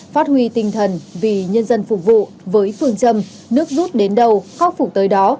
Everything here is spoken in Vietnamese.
phát huy tinh thần vì nhân dân phục vụ với phương châm nước rút đến đâu khắc phục tới đó